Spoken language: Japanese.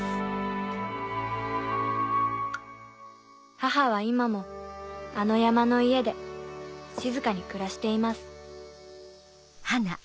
母は今もあの山の家で静かに暮らしていますあっ。